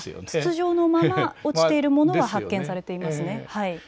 筒状のまま落ちているもの発見されていますね。